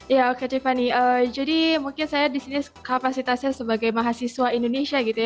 ya oke sivani jadi mungkin saya disini kapasitasnya sebagai mahasiswa indonesia gitu ya